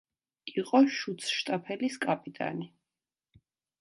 იყო შუცშტაფელის კაპიტანი.